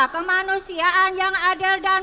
kemanusiaan yang adil dan